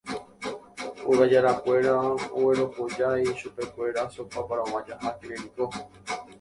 Ogajarakuéra ogueropojái chupekuéra sopa paraguaya ha clericó